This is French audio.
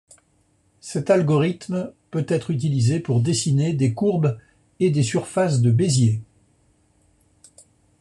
Cet algorithme peut être utilisé pour dessiner des courbes et des surfaces de Bézier.